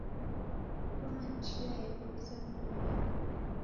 Kushoma ni chia yeboisa w'urumwengu.